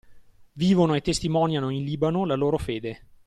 Vivono e testimoniano in Libano la loro fede.